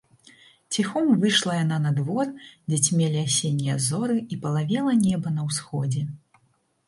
Ціхом выйшла яна на двор, дзе цьмелі асеннія зоры і палавела неба на ўсходзе.